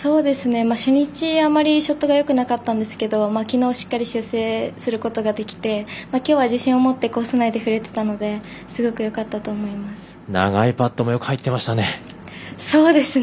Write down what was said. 初日、あまりショットがよくなかったんですけどきのう、しっかり修正することができてきょう、自信を持ってコース内で振れていたので長いパットもよく入ってましたね。